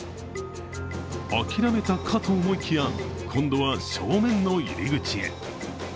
諦めたかと思いきや、今度は正面の入り口へ。